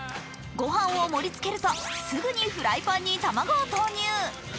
御飯を盛りつけるとすぐにフライパンに卵を投入。